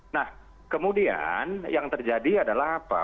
nah kemudian yang terjadi adalah apa